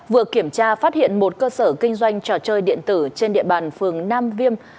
vừa kiểm tra phát hiện một cơ sở kinh doanh trò chơi điện tử trên địa bàn phường nam viêm